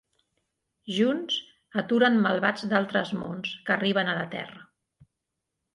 Junts aturen malvats d'altres mons que arriben a la Terra.